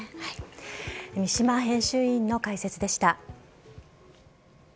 三嶋編集委員の解説でした。